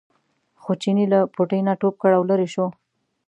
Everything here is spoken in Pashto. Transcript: خو چیني له پوټي نه ټوپ کړ او لرې شو.